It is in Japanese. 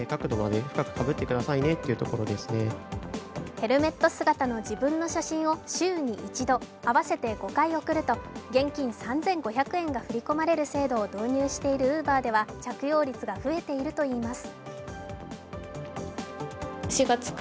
ヘルメット姿の自分の姿を週に１度合わせて５回送ると、現金３５００円が振り込まれる制度を導入しているＵｂｅｒでは着用率が増えているといいます。